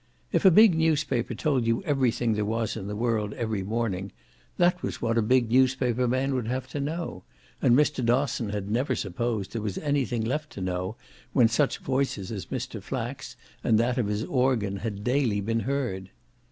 If a big newspaper told you everything there was in the world every morning, that was what a big newspaper man would have to know, and Mr. Dosson had never supposed there was anything left to know when such voices as Mr. Flack's and that of his organ had daily been heard.